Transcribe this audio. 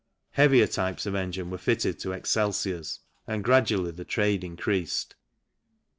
Heavier types of engine were fitted to Excelsiors, and gradually the trade increased.